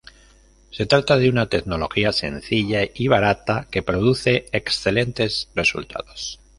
Se trata de una tecnología sencilla y barata que produce excelentes resultados.